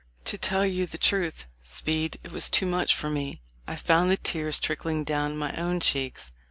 "To tell you the truth, Speed, it was too much for me. I found the tears trickling down my own cheeks.